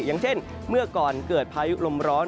อย่างเช่นเมื่อก่อนเกิดพายุลมร้อน